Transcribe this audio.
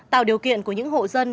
tạo điều kiện của những hộ dân